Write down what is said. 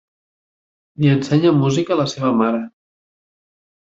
Li ensenya música la seva mare.